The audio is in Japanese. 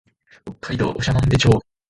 北海道長万部町